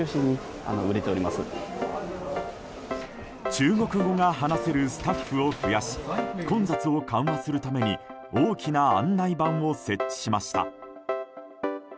中国語が話せるスタッフを増やし混雑を緩和するために大きな案内板を設置しました。